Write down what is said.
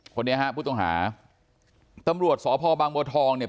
คนนี้ฮะผู้ต้องหาตำรวจสพบางบัวทองเนี่ย